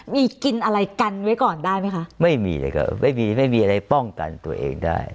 มีกินอะไรกันไว้ก่อนได้ไหมคะไม่มีเลยครับไม่มีไม่มีอะไรป้องกันตัวเองได้